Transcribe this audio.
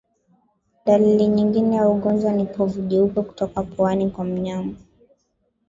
Dalili nyingine ya ugonjwa ni povu jeupe kutoka puani kwa mnyama